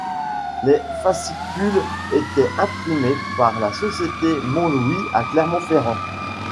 Les fascicules étaient imprimés par la société Mont-Louis à Clermont Ferrand.